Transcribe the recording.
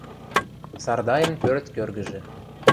Сардайын пӧрт кӧргӹжӹ.